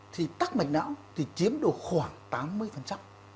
thì tắc mạch não thì chiếm được khoảng tám mươi